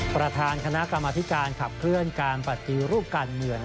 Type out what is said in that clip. ประธานคณะกรรมธิการขับเคลื่อนการปฏิรูปการเมือง